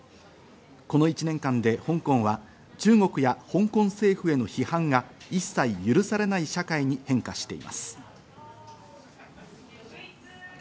この１年間で香港は、中国や香港政府への批判が一切許されない社会に変化しています。